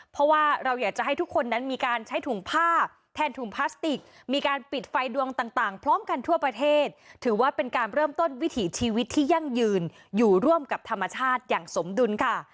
เพราะว่าเราอยากจะให้ทุกคนนั้นมีการใช้ถุงผ้าแทนถุงพลาสติกมีการปิดไฟดวงต่างพร้อมกันทั่วประเทศถือว่าเป็นการเริ่มต้นวิถีชีวิตที่ยั่งยืนอยู่ร่วมกับธรรมชาติอย่างสมดุลค่ะ